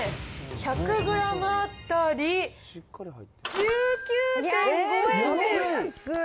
１００グラム当たり１９．５円です。